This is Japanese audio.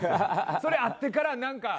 それあってからなんか。